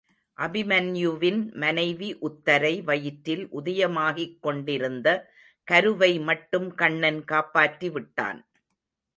அபிமன்யுவின் மனைவி உத்தரை வயிற்றில் உதயமாகிக் கொண்டிருந்த கருவை மட்டும் கண்ணன் காப்பாற்றி விட்டான்.